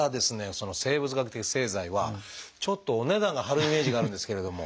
その生物学的製剤はちょっとお値段が張るイメージがあるんですけれども。